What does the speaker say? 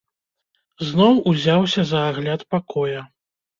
Зноў узяўся за агляд пакоя.